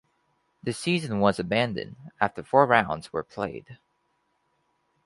The season was abandoned after four rounds were played.